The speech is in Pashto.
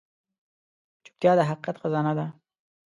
چوپتیا، د حقیقت خزانه ده.